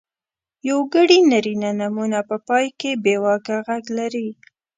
یوګړي نرينه نومونه په پای کې بېواکه غږ لري.